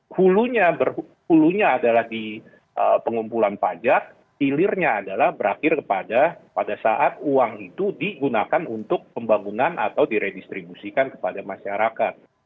hulunya adalah di pengumpulan pajak hilirnya adalah berakhir kepada pada saat uang itu digunakan untuk pembangunan atau diredistribusikan kepada masyarakat